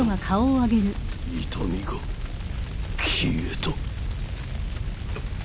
痛みが消えた？あっ。